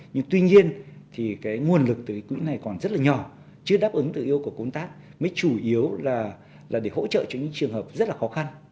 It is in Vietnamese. nhưng tuy nhiên nguồn lực từ quỹ này còn rất nhỏ chưa đáp ứng tự yêu của công tác mới chủ yếu là để hỗ trợ cho những trường hợp rất khó khăn